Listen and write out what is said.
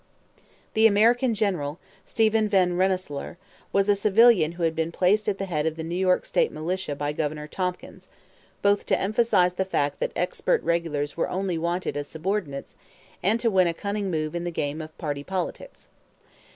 The American general, Stephen Van Rensselaer, was a civilian who had been placed at the head of the New York State militia by Governor Tompkins, both to emphasize the fact that expert regulars were only wanted as subordinates and to win a cunning move in the game of party politics.